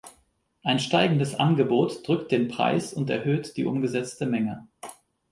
Ein steigendes Angebot drückt den Preis und erhöht die umgesetzte Menge.